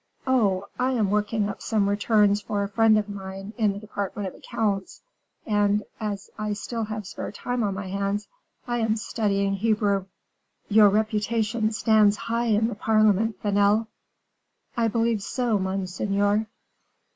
"Oh! I am working up some returns for a friend of mine in the department of accounts, and, as I still have spare time on my hands, I am studying Hebrew." "Your reputation stands high in the parliament, Vanel." "I believe so, monseigneur."